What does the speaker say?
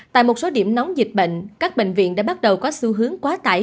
tại một số điểm nóng dịch bệnh các bệnh viện đã bắt đầu có xu hướng quá tải